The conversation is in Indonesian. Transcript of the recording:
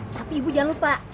tapi ibu jangan lupa